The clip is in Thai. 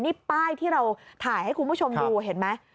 นี่ป้ายที่เราถ่ายให้คุณผู้ชมดูเห็นไหม